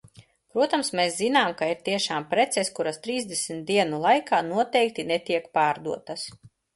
Protams, mēs zinām, ka ir tiešām preces, kuras trīsdesmit dienu laikā noteikti netiek pārdotas.